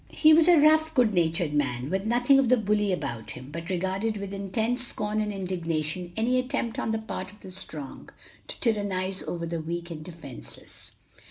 He was a rough, good natured man, with nothing of the bully about him, but regarded with intense scorn and indignation any attempt on the part of the strong to tyrannize over the weak and defenceless.